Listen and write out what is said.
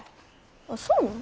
あっそうなん？